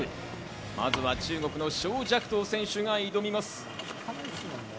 まずは中国のショウ・ジャクトウ選手が挑みます。